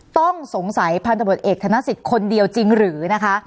ต้องสงสัยพันธบทเอกธนสิทธิ์คนเดียวจริงหรือนะคะ